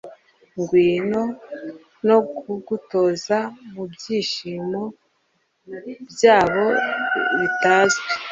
ngwino !!! no kugutoza mubyishimo byabo bitazwi